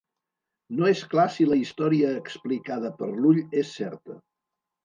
No és clar si la història explicada per l'ull és certa.